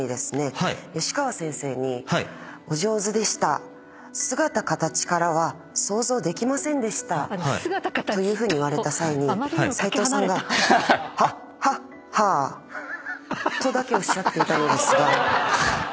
吉川先生に「お上手でした。姿形からは想像できませんでした」というふうに言われた際に斎藤さんが「ははは」とだけおっしゃっていたのですが。